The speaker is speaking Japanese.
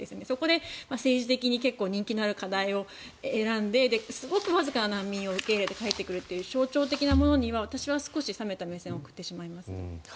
そこで政治的に人気のある課題を選んですごくわずかな民を受け入れるという象徴的なものには私は少し冷めた目線を送ってしまいます。